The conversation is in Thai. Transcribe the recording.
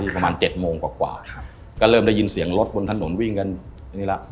ประมาณ๗โมงกว่าก็เริ่มได้ยินเสียงรถบนถนนวิ่งกัน